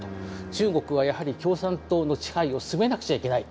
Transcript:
中国はやはり共産党の支配を進めなくちゃいけない。